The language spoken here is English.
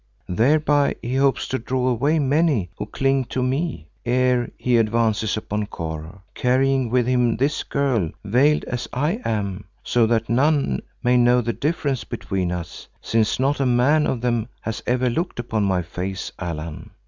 Thereby he hopes to draw away many who cling to me ere he advances upon Kôr, carrying with him this girl veiled as I am, so that none may know the difference between us, since not a man of them has ever looked upon my face, Allan.